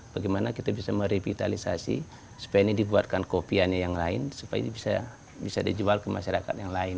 bagaimana kita bisa merevitalisasi supaya ini dibuatkan kopiannya yang lain supaya bisa dijual ke masyarakat yang lain